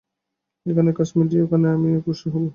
এখানের কাজ মিটিয়েই আমি ওখানে অগ্রসর হবো।